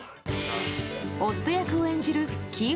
夫役を演じるキー